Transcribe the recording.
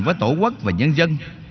với tổ quốc và nhân dân